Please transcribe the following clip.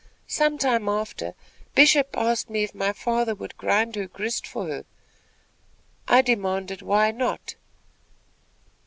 Some time after, Bishop asked me if my father would grind her grist for her? I demanded why not?